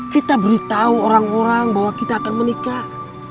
kita beritahu orang orang bahwa kita akan menikah